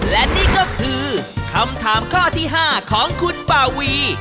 และนี่ก็คือคำถามข้อที่๕ของคุณบาวี